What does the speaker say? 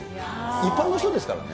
一般の人ですからね。